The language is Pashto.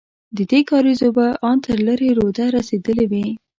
ددې کارېز اوبه ان تر لېرې روده رسېدلې وې.